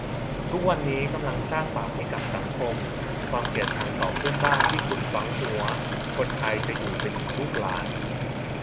ทุกวันนี้กำลังสร้างบาปให้กับสังคม ความเกลียดชังต่อเพื่อนบ้านที่คุณฝังหัวคนไทยจะอยู่ไปถึงลูกหลาน